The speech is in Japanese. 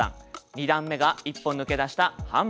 ２段目が一歩抜け出した半ボン。